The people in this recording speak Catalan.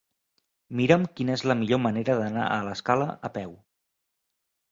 Mira'm quina és la millor manera d'anar a l'Escala a peu.